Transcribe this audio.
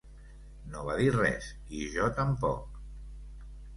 No va dir res i jo tampoc.